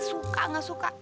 suka nggak suka